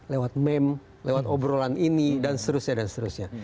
lewat meme lewat obrolan ini dan seterusnya